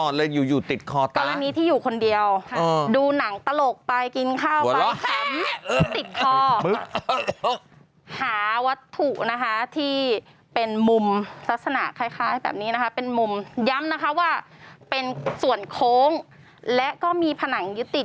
ได้ค่ะกรณีนี้ขออุปกรณ์ครับคุณกลางค์